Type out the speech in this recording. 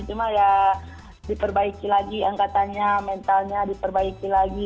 cuma ya diperbaiki lagi angkatannya mentalnya diperbaiki lagi